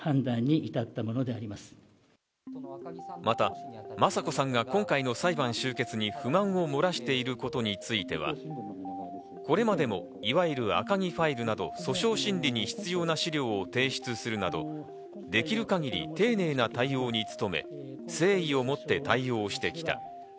また雅子さんが今回の裁判終結に不満を漏らしていることについては、これまでも、いわゆる赤木ファイルなど訴訟審理に必要な資料を提出するなどできる限り丁寧な対応に努め、誠意をもって対応してきた。